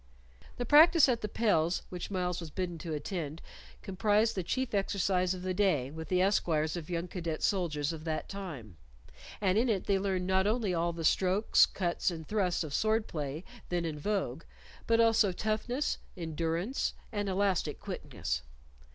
The practice at the pels which Myles was bidden to attend comprised the chief exercise of the day with the esquires of young cadet soldiers of that time, and in it they learned not only all the strokes, cuts, and thrusts of sword play then in vogue, but also toughness, endurance, and elastic quickness.